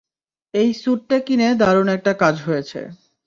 এই স্যুটটা কিনে দারুণ একটা কাজ হয়েছে।